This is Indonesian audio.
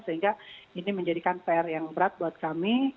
sehingga ini menjadikan pr yang berat buat kami